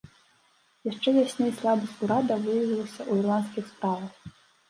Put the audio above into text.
Яшчэ ясней слабасць урада выявілася ў ірландскіх справах.